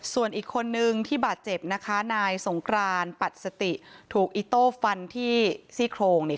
ส่วนอีกคนนึงที่บาดเจ็บนะคะนายสงกรานปัดสติถูกอิโต้ฟันที่ซี่โครงเนี่ย